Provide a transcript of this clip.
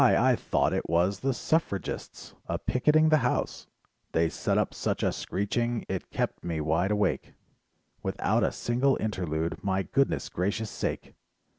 I thought it was the "suffragists" a picketing the house, They set lip such a screeching it kept me wide awake. Without a single interlude, my goodness gracious sake!